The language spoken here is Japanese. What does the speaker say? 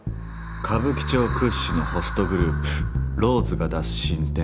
歌舞伎町屈指のホストグループＲＯＳＥが出す新店。